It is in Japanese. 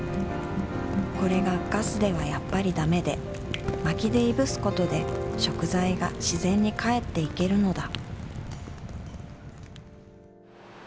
これがガスではやっぱりダメで薪で燻すことで食材が自然に還っていけるのだ